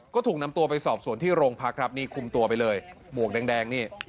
ก็ถูกนำตัวไปสอบสวนที่โรงพักครับนี่คุมตัวไปเลยหมวกแดงนี่